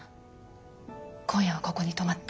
今夜はここに泊まって。